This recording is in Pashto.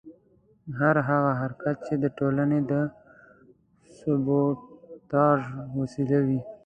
هر هغه حرکت چې د ټولنې د سبوټاژ وسیله وي.